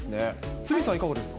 鷲見さん、いかがですか。